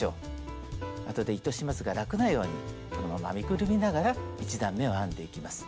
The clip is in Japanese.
あとで糸始末が楽なようにこのまま編みくるみながら１段めを編んでいきます。